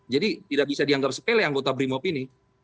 jadi tidak bisa dianggap sepele anggota brimop ini